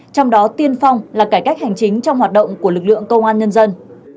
trong đó tiên phong là cải cách hành chính trong hoạt động của lực lượng công an nhân dân